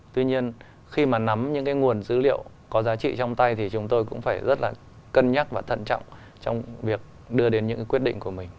tuy nhiên khi mà nắm những cái nguồn dữ liệu có giá trị trong tay thì chúng tôi cũng phải rất là cân nhắc và thận trọng trong việc đưa đến những cái quyết định của mình